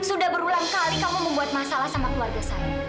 sudah berulang kali kamu membuat masalah sama keluarga saya